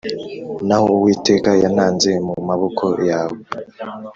naho Uwiteka yantanze mu maboko yawe.